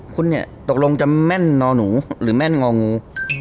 คุณเนี่ยตกลงจะแม่นงอหนูหรือแม่นงองู